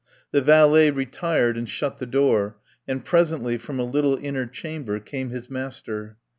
The valet retired and shut the door, and presently from a little inner chamber came his master.